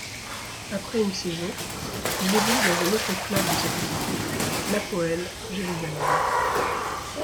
Après une saison, il évolue dans un autre club de cette ligue, l'Hapoel Jérusalem.